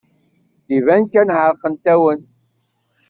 Iban kan ɛerqent-awen.